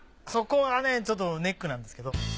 そこはねちょっとネックなんですけど。